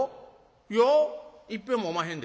いやいっぺんもおまへんで。